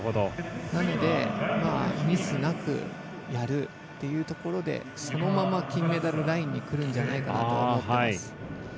なのでミスなくやるっていうところでそのまま金メダルラインにくるんじゃないかなと思っています。